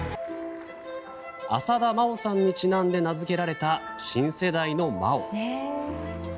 浅田真央さんにちなんで名づけられた新世代の「麻央」。